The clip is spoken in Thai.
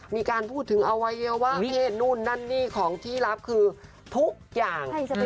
มีการพูดถึงอวัยวะเพศนู่นนั่นนี่ของที่รับคือทุกอย่าง